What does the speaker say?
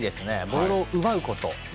ボールを奪うこと。